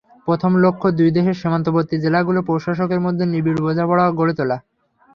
প্রথম লক্ষ্য দুই দেশের সীমান্তবর্তী জেলাগুলোর প্রশাসনের মধ্যে নিবিড় বোঝাপড়া গড়ে তোলা।